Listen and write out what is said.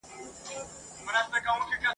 ځوانان په توپونو او ټکانو مصروف ول.